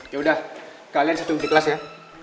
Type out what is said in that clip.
yaudah kalian satu minta kelas ya